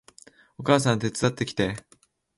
お母さん手伝ってきて